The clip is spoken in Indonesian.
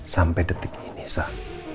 sampai detik ini sah